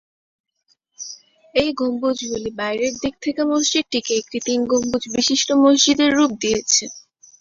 এ গম্বুজগুলি বাইরের দিক থেকে মসজিদটিকে একটি ‘তিন গম্বুজ’ বিশিষ্ট মসজিদের রূপ দিয়েছে।